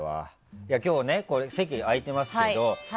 いや今日ね席、空いてますけど。